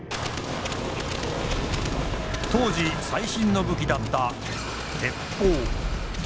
当時最新の武器だった鉄砲。